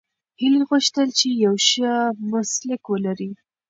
هیلې غوښتل چې یو ښه مسلک ولري.